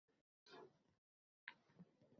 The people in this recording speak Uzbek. Avvalo, inson qo‘rquv bilan yashashni istamaydi.